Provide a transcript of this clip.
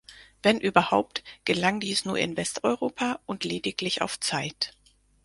Wenn überhaupt, gelang dies nur in Westeuropa und lediglich auf Zeit.